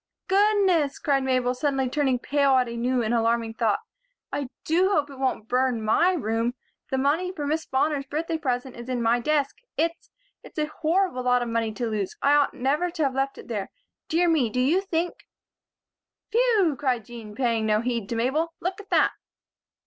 "Goodness!" cried Mabel, suddenly turning pale at a new and alarming thought. "I do hope it won't burn my room. The money for Miss Bonner's birthday present is in my desk. It's it's a horrible lot of money to lose. I ought never to have left it there. Dear me! Do you think " "Phew!" cried Jean, paying no heed to Mabel. "Look at that!"